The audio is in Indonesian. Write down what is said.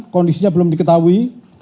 kondisinya belum diketahui